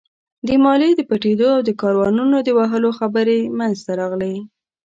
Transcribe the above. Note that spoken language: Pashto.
د ماليې د پټېدو او د کاروانونو د وهلو خبرې مينځته راغلې.